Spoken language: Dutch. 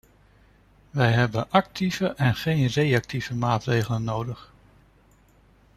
Wij hebben actieve en geen reactieve maatregelen nodig.